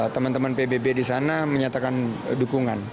teman teman pbb di sana menyatakan dukungan